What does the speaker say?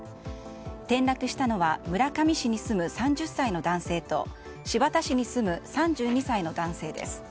転落したのは村上市に住む３０歳の男性と新発田市に住む３２歳の男性です。